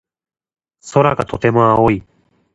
空がとても青い。